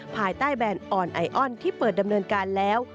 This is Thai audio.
ภายใต้แบรนด์ออนไอออนที่เปิดดำเนินการแล้ว